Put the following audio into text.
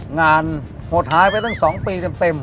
หดหายไปตั้ง๒ปีเต็ม